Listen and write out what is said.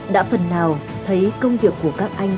đã phần nào thấy công việc của các anh